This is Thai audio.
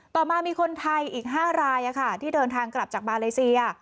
ต่อมามีคนไทยอีก๕รายที่เดินทางกลับจากมาเลเซีย